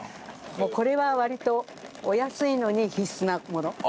これは割とお安いのに必須なもの。